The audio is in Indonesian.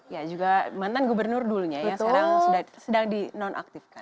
ya juga mantan gubernur dulunya ya sekarang sedang di non aktifkan